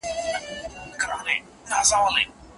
آیا ګډه پریکړه تر انفرادي پریکړي بریالۍ ده؟